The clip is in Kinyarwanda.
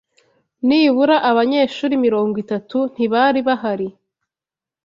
Nibura abanyeshuri mirongo itatu ntibari bahari.